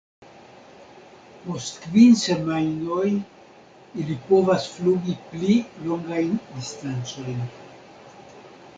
Post kvin semajnoj ili povas flugi pli longajn distancojn.